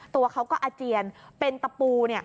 ตัวเขาก็อาเจียนเป็นตะปู